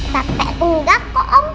tapi enggak kok om